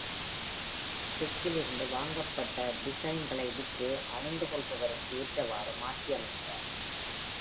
பெக்கிலிருந்து வாங்கப்பட்ட டிசைன்களை விற்று, அணிந்து கொள்பவருக்கு ஏற்றவாறு மாற்றியமைத்தார்.